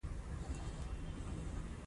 چې فرعون او نمرود غوندې پاچاهۍ پاتې نه شوې.